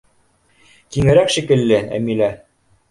— Киңерәк шикелле, Әмилә.